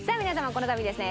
このたびですね